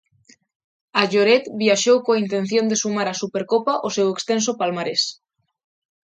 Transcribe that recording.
A Lloret viaxou coa intención de sumar a Supercopa ao seu extenso palmarés.